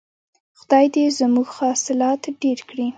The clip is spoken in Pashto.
خدای دې زموږ حاصلات ډیر کړي.